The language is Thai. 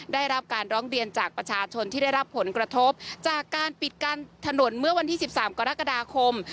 ได้รับการร้องเรียนจากประชาชนที่ได้รับผลกระทบจากการปิดการถนนเมื่อวันที่๑๓กรกฎาคม